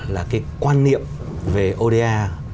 là cái quan niệm về ô đa